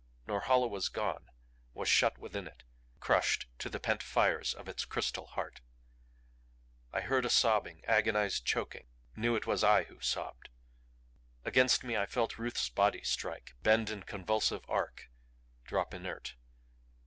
Norhala was gone was shut within it. Crushed to the pent fires of its crystal heart. I heard a sobbing, agonized choking knew it was I who sobbed. Against me I felt Ruth's body strike, bend in convulsive arc, drop inert.